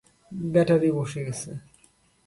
Battery বসে গেছে।